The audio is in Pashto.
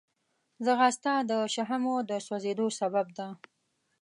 ځغاسته د شحمو د سوځېدو سبب ده